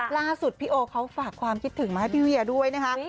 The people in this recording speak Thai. ล่าสุดพี่โอเขาฝากความคิดถึงมาให้พี่เวียด้วยนะคะ